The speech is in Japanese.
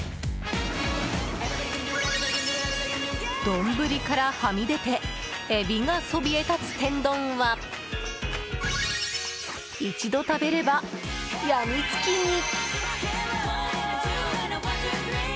丼からはみ出てエビがそびえ立つ天丼は一度食べればやみつきに。